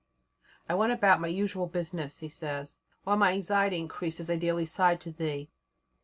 "I went about my usual business," he says, "while my anxiety increased as I daily sighed to Thee."